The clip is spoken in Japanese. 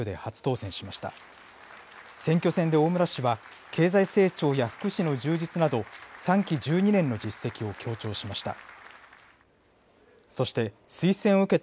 選挙戦で大村氏は経済成長や福祉の充実など３期１２年の実績を強調しました。